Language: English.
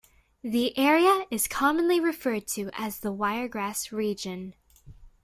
The area is commonly referred to as the Wiregrass Region.